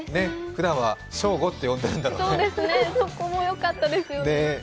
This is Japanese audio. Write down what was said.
ふだんは翔吾って呼んでるんだね。